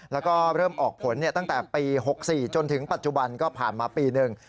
แล้วก็เริ่มออกผลตั้งแต่ปี๖๔จนถึงปัจจุบันก็ผ่านมาปีหนึ่ง